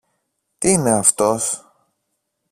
Τι είναι αυτός;